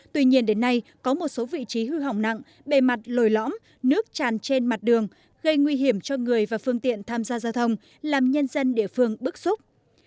tuy nhiên đến nay có một số vị trí hư hỏng nặng bề mặt lồi lõm nước tràn trên mặt đường gây nguy hiểm cho người và phương tiện tham gia giao thông làm nhân dân địa phương bức xúc